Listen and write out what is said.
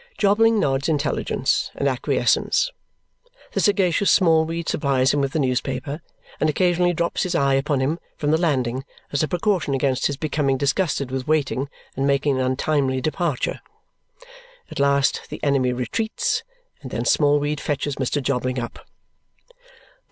Jobling nods intelligence and acquiescence. The sagacious Smallweed supplies him with the newspaper and occasionally drops his eye upon him from the landing as a precaution against his becoming disgusted with waiting and making an untimely departure. At last the enemy retreats, and then Smallweed fetches Mr. Jobling up.